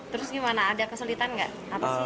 terus gimana ada kesulitan nggak sih